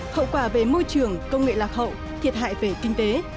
hậu quả về môi trường công nghệ lạc hậu thiệt hại về kinh tế